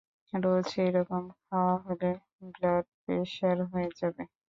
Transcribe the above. রোজ এ-রকম খাওয়া হলে ব্লাড প্রেসার হয়ে যাবে।